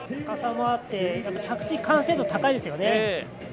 高さもあって、着地、完成度高いですよね。